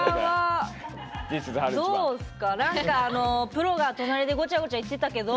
プロが隣でごちゃごちゃ言ってたけど。